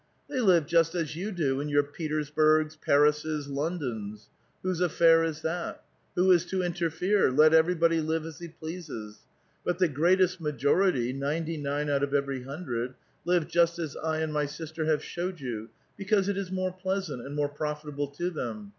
" They live just as you do in your Petersburgs, Parises, Londons. Whose affair is that? Who is to interfere? Let everybody live as he pleases ; but the greatest majority, ninety nine out of every hundred, live just as I and my sis ter have showed you, because it is more pleasant, and more profitable to them.